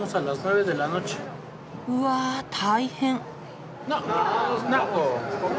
うわ大変！